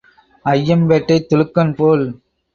ஐயம்பேட்டைத் துலுக்கன் போல்.